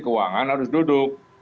keuangan harus duduk